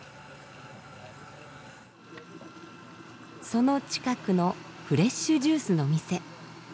その近くのフレッシュジュースの店。